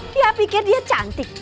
dia pikir dia cantik